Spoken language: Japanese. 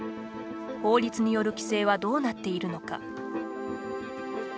法律による規制はどうなっているのか。